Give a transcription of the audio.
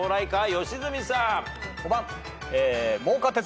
良純さん。